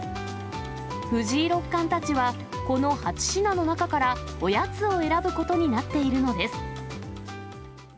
藤井六冠たちはこの８品の中から、おやつを選ぶことになっているのです。